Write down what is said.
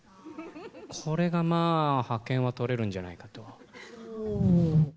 これが派遣をとれるんじゃないかと。